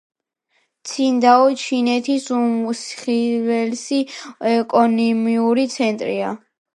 ცინდაო ჩინეთის უმსხვილესი ეკონომიკური ცენტრია.